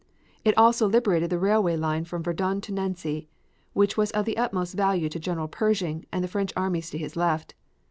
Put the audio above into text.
It also liberated the railway line from Verdun to Nancy, which was of the utmost value to General Pershing and the French armies to his left.